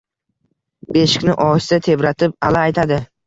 Beshikni ohista tebratib, alla aytadi.